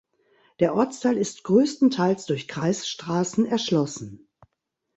Der Ortsteil ist größtenteils durch Kreisstraßen erschlossen.